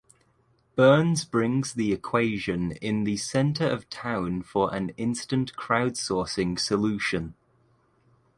Burns brings the equation in the center of town for an instant crowdsourcing solution.